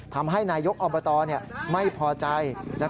ทำให้นายกอบตไม่พอใจ